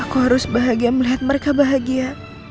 aku harus bahagia melihat mereka bahagia